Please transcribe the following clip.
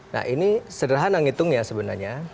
nah ini sederhana ngitung ya sebenarnya